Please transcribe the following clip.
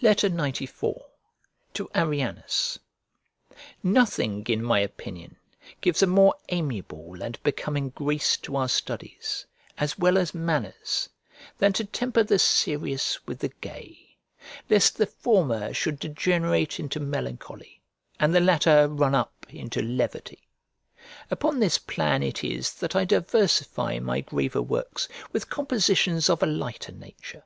XCIV To ARRIANUS NOTHING, in my opinion, gives a more amiable and becoming grace to our studies, as well as manners, than to temper the serious with the gay, lest the former should degenerate into melancholy, and the latter run up into levity. Upon this plan it is that I diversify my graver works with compositions of a lighter nature.